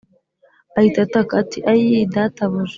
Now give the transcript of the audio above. Ahita ataka ati ayii databuja